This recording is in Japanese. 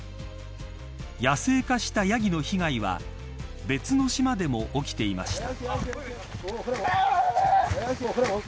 野生化したヤギの被害は別の島でも起きていました。